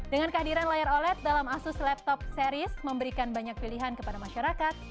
dengan kehadiran layar oled dalam asus laptop series memberikan banyak pilihan kepada masyarakat